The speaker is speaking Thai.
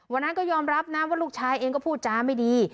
วันนั้นก็ยอมรับนะว่าลูกชายเองก็พูดจาไม่ดี